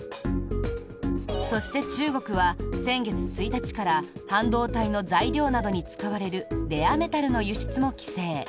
そして中国は、先月１日から半導体の材料などに使われるレアメタルの輸出も規制。